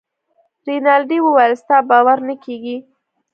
رینالډي وویل ستا باور نه کیږي.